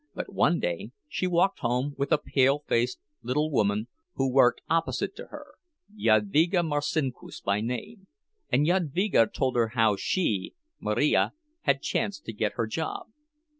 But one day she walked home with a pale faced little woman who worked opposite to her, Jadvyga Marcinkus by name, and Jadvyga told her how she, Marija, had chanced to get her job.